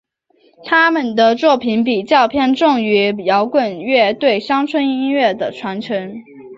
他们的作品比较偏重于摇滚乐对乡村音乐的传承。